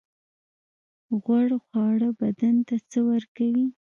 غوړ خواړه بدن ته څه ورکوي؟